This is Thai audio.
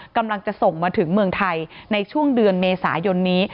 กำลังจะส่งมาถึงเมืองไทยในช่วงเดือนเมษายนนี้